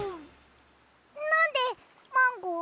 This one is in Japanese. なんでマンゴー？